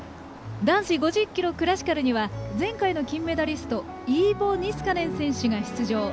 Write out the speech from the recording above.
男子５０キロクラシカルには前回の金メダリストイーボ・ニスカネン選手が出場。